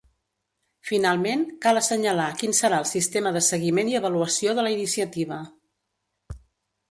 Finalment, cal assenyalar quin serà el sistema de seguiment i avaluació de la iniciativa.